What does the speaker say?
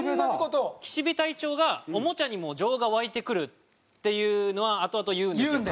岸辺隊長が「おもちゃにも情が湧いてくる」っていうのはあとあと言うんですよ。